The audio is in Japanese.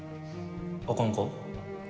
あかんか？